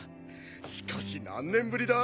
しかし何年ぶりだ？